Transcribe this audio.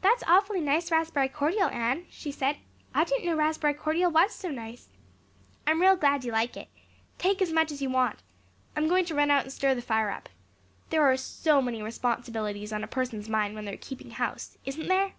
"That's awfully nice raspberry cordial, Anne," she said. "I didn't know raspberry cordial was so nice." "I'm real glad you like it. Take as much as you want. I'm going to run out and stir the fire up. There are so many responsibilities on a person's mind when they're keeping house, isn't there?"